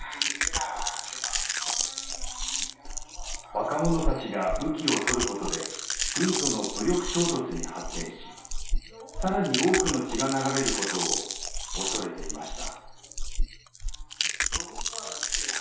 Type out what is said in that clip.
若者たちが武器を取ることで軍との武力衝突に発展し更に多くの血が流れることを恐れていました。